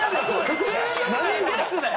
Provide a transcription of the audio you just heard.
普通のやつだよ！